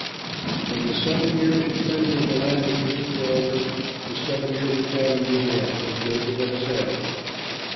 When the seven years of plenty in the land of Egypt were over, the seven years of famine began, as Joseph had said.